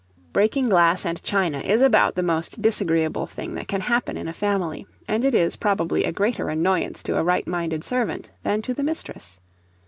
Breaking glass and china is about the most disagreeable thing that can happen in a family, and it is, probably, a greater annoyance to a right minded servant than to the mistress.